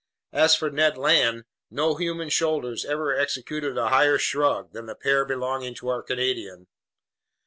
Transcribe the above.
As for Ned Land, no human shoulders ever executed a higher shrug than the pair belonging to our Canadian.